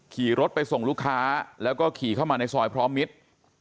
ขี่รถไปส่งลูกค้าแล้วก็ขี่เข้ามาในซอยพร้อมมิตร